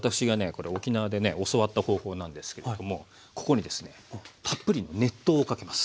これ沖縄でね教わった方法なんですけれどもここにですねたっぷり熱湯をかけます。